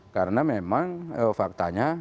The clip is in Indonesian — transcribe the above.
karena memang faktanya